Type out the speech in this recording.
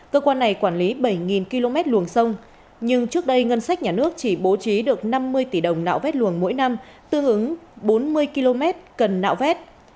cơ quan này quản lý bảy km luồng sông nhưng trước đây ngân sách nhà nước chỉ bố trí được năm mươi tỷ đồng nạo vét luồng mỗi năm tương ứng bốn mươi km cần nạo vét